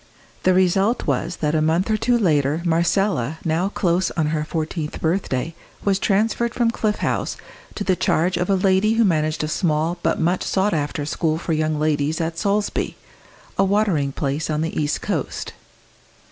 The result was that a month or two later Marcella, now close on her fourteenth birthday, was transferred from Cliff House to the charge of a lady who managed a small but much sought after school for young ladies at Solesby, a watering place on the east coast.